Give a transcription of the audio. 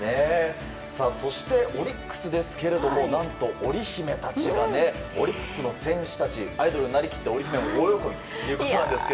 そして、オリックスですが何とオリ姫たちがオリックスの選手たちがアイドルになりきってオリ姫も大喜びということなんですが。